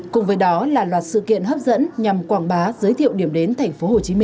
cùng với đó là loạt sự kiện hấp dẫn nhằm quảng bá giới thiệu điểm đến tp hcm